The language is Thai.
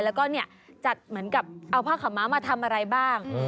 แล้วก็เนี่ยจัดเหมือนกับเอาผ้าขาวม้ามาทำอะไรบ้าง